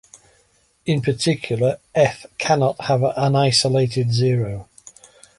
In particular "f" cannot have an isolated zero.